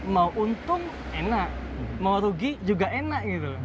mau untung enak mau rugi juga enak gitu